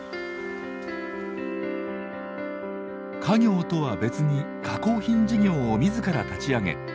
家業とは別に加工品事業を自ら立ち上げ